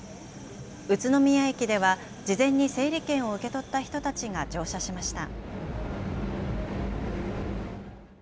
宇都宮駅では事前に整理券を受け取った人たちが乗車しました。